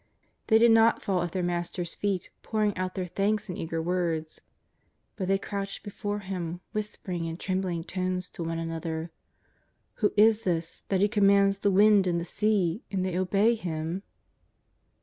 They did not fall at their Master's feet pouring out their thanks in eager words. But they crouched befo;:e Him, whisper ing in trembling tones to one another :" Who is this, that He commands the wind and the sea and they obey Him